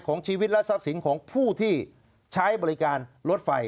ชีวิตและทรัพย์สินของผู้ที่ใช้บริการรถไฟ